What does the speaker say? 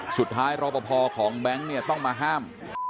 สุดท้ายรอบพอของแบงค์เนี่ยต้องมาห้าม